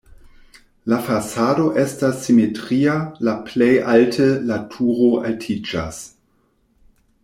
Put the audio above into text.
La fasado estas simetria, la plej alte la turo altiĝas.